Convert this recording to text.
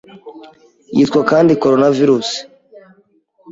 Yitwa kandi Coronavirus